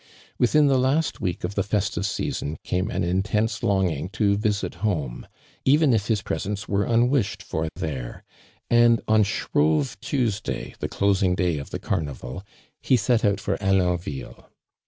With the la.«,t week of the festive season came an intense longing to visit home, evea if his presence were unwished for there, and on Shrove Tuesday, the closing day of the carnival, he set out for Alonville.